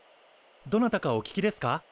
どなたかお聞きですか？